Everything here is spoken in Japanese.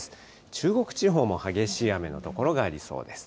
中国地方も激しい雨の所がありそうです。